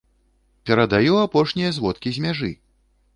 Перадаю апошнія зводкі з мяжы!